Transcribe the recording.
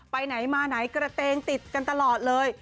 ไปไหนมาไหนกระเตงติดกันตลอดเลย